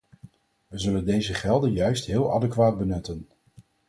We zullen deze gelden juist heel adequaat benutten.